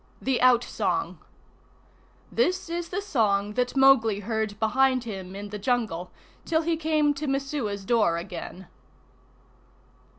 THE OUTSONG [This is the song that Mowgli heard behind him in the Jungle till he came to Messua's door again.